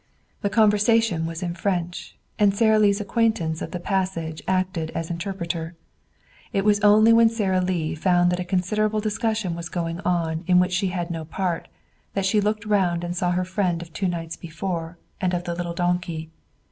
The conversation was in French, and Sara Lee's acquaintance of the passage acted as interpreter. It was only when Sara Lee found that a considerable discussion was going on in which she had no part that she looked round and saw her friend of two nights before and of the little donkey.